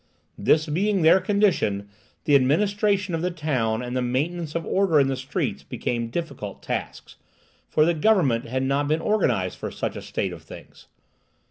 This being their condition, the administration of the town and the maintenance of order in the streets became difficult tasks, for the government had not been organized for such a state of things.